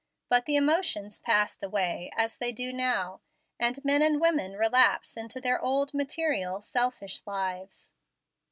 But the emotions passed away, as they do now; and men and women relapsed into their old, material, selfish lives.